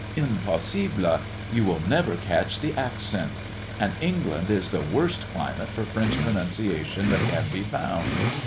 Impossible; you will never catch the accent. And England is the worst climate for French pronunciation that can be found.